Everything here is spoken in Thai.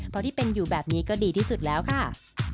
เพราะที่เป็นอยู่แบบนี้ก็ดีที่สุดแล้วค่ะ